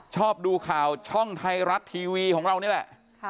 ชอบดูข่าวช่องไทยรัฐทีวีของเรานี่แหละ